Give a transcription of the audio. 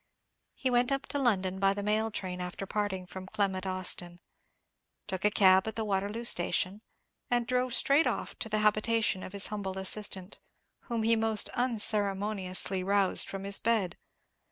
He went up to London by the mail train after parting from Clement Austin; took a cab at the Waterloo station, and drove straight off to the habitation of his humble assistant, whom he most unceremoniously roused from his bed.